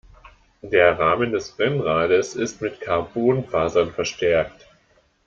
Der Rahmen des Rennrades ist mit Carbonfasern verstärkt.